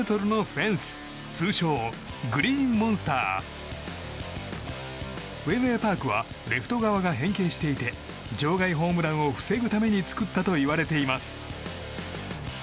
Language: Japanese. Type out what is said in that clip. フェンウェイ・パークはレフト側が変形していて場外ホームランを防ぐために作ったといわれています。